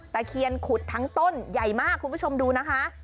ตะเคียนขุดทั้งต้นใหญ่มากคุณผู้ชมดูนะคะ